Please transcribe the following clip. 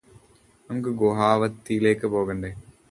നമുക്ക് ഗുവാഹത്തിയിൽ പോകണ്ടേ?